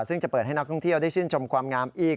ซึ่งจะเปิดให้นักท่องเที่ยวได้ชื่นชมความงามอีก